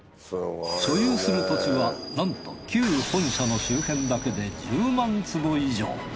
所有する土地はなんと旧本社の周辺だけで１０万坪以上。